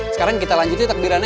sekarang kita lanjutin takdirannya